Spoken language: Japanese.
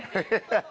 ハハハ！